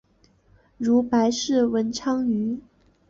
如白氏文昌鱼。